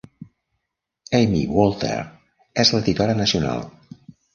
Amy Walter és l'editora nacional.